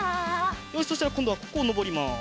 よしそしたらこんどはここをのぼります。